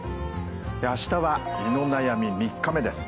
明日は「胃の悩み」３日目です。